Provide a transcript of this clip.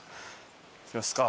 行きますか。